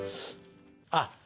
あっ！